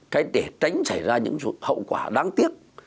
thế để tránh xảy ra những hậu quả đáng tiếc